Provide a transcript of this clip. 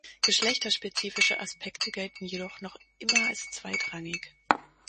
Geschlechterspezifische Aspekte gelten jedoch noch immer als zweitrangig.